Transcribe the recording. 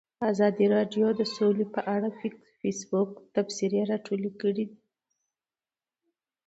ازادي راډیو د سوله په اړه د فیسبوک تبصرې راټولې کړي.